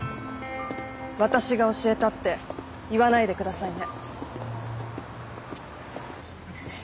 私が教えたって言わないでくださいね。